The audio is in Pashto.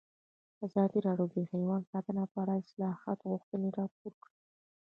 ازادي راډیو د حیوان ساتنه په اړه د اصلاحاتو غوښتنې راپور کړې.